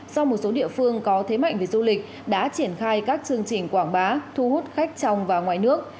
do một số địa phương có thế mạnh về du lịch đã triển khai các chương trình quảng bá thu hút khách trong và ngoài nước